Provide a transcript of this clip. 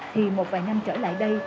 thì một vài năm trở lại đây